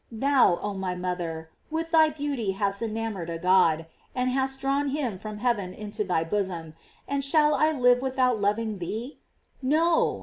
Thou, oh my mother, with thy beauty hast en amored a God, and hast drawn him from heaven into thy bosom, and shall I live without loving thee? No.